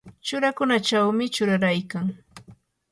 churakunachawmi churayaykan.